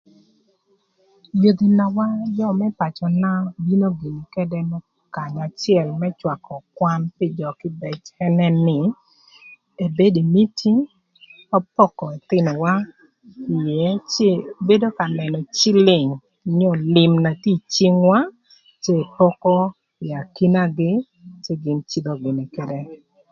Gin na wan jö më pacöna bino gïnï ködë kanya acël më cwakö kwan pï jö kïbëc ënë nï, ebedo ï mïtïng më poko ëthïnöwa pïën ebedo ka nënö cïlïng onyo lïm na tye ï cïngwa cë epoko ï akinagï cë gïn cïdhö gïnï këdë.